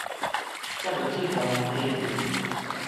才袂去予人批評